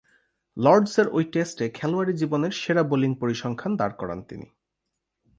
লর্ডসের ঐ টেস্টে খেলোয়াড়ী জীবনের সেরা বোলিং পরিসংখ্যান দাঁড় করান তিনি।